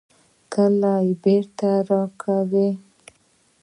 کله بیرته راکوئ؟